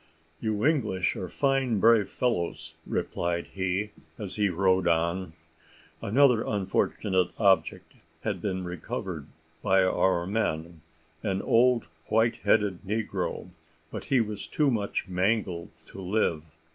"You English are fine brave fellows," replied he, as he rode on. Another unfortunate object had been recovered by our men, an old white headed negro, but he was too much mangled to live.